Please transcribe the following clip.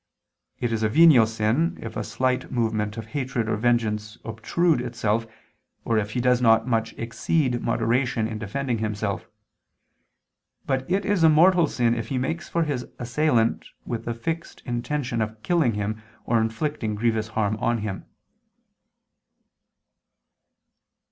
It is a venial sin, if a slight movement of hatred or vengeance obtrude itself, or if he does not much exceed moderation in defending himself: but it is a mortal sin if he makes for his assailant with the fixed intention of killing him, or inflicting grievous harm on him.